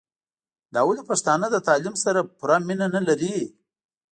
دا ولي پښتانه له تعليم سره پوره مينه نلري